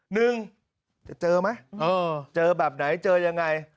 หนึ่งจะเจอไหมเจอแบบไหนเจอยังไง